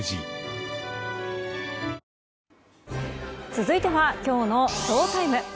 続いてはきょうのＳＨＯＴＩＭＥ。